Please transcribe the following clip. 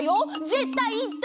ぜったいいった！